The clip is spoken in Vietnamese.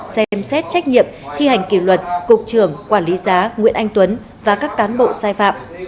xem xét trách nhiệm thi hành kỷ luật cục trưởng quản lý giá nguyễn anh tuấn và các cán bộ sai phạm